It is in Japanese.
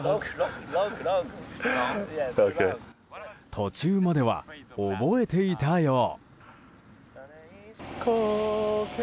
途中までは覚えていたよう。